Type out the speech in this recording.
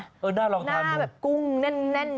หน้าลองทานมั้ยหน้าแบบกุ้งแน่น